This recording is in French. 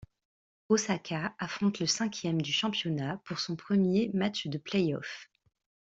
Osaka affronte le cinquième du championnat pour son premier match de playoffs.